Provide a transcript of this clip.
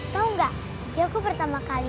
tapi itu masih magari